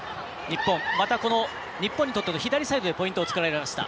日本にとっての左サイドにポイントを作られました。